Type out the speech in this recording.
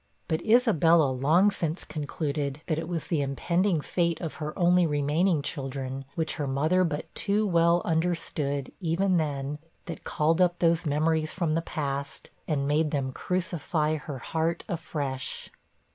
But Isabella long since concluded that it was the impending fate of her only remaining children, which her mother but too well understood, even then, that called up those memories from the past, and made them crucify her heart afresh.